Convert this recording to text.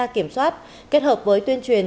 kiểm soát kết hợp với tuyên truyền